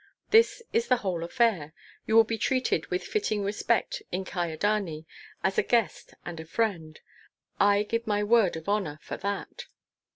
This is the whole affair! You will be treated with fitting respect in Kyedani, as a guest and a friend; I give my word of honor for that."